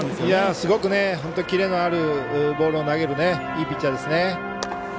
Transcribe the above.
すごくキレのあるボールを投げるいいピッチャーですね。